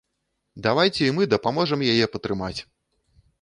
Давайце і мы дапаможам яе патрымаць!